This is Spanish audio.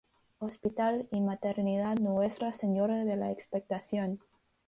Hospital y Maternidad Nuestra Señora de la Expectación.